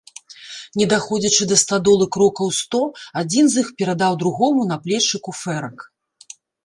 Не даходзячы да стадолы крокаў сто, адзін з іх перадаў другому на плечы куфэрак.